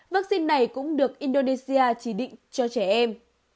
vaccine này cũng được indonesia chỉ định cho trẻ em